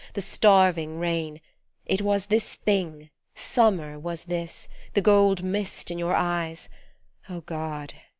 The starving rain it was this Thing, Summer was this, the gold mist in your eyes ; Oh God